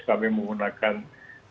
kami menggunakan berbagai